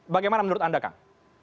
bagaimana menurut anda kang